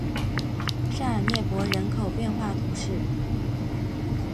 塞尔涅博人口变化图示